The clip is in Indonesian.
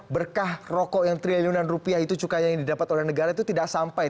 berkah rokok yang triliunan rupiah itu cukai yang didapat oleh negara itu tidak sampai